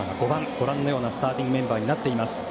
ご覧のようなスターティングメンバーです。